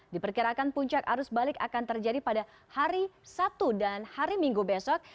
diperkirakan puncak arus balik akan terjadi pada hari sabtu dan hari minggu besok